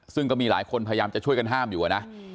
ซึ่งก็มีหลายคนพยายามจะช่วยกันห้ามอยู่นะ